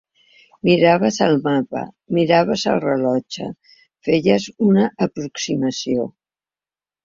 Miraves el mapa, miraves el rellotge, feies una aproximació.